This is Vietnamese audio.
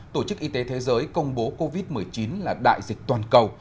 tổ chức y tế thế giới công bố covid một mươi chín là đại dịch toàn cầu